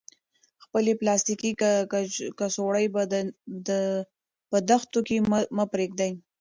خپلې پلاستیکي کڅوړې په دښتو کې مه پریږدئ.